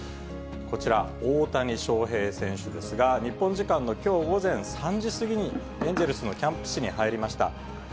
こちら、大谷翔平選手ですが、日本時間のきょう午前３時過ぎにエンゼルスのキャンプ地に入りました。